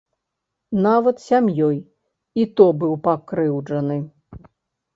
Нават сям'ёй і то быў пакрыўджаны.